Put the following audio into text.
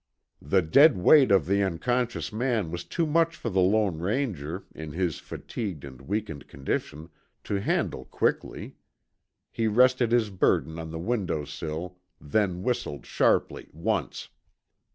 The dead weight of the unconscious man was too much for the Lone Ranger, in his fatigued and weakened condition, to handle quickly. He rested his burden on the window's sill then whistled sharply once.